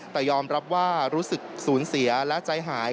แต่ยอมรับว่ารู้สึกสูญเสียและใจหาย